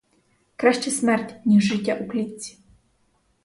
Краще смерть, ніж життя у клітці.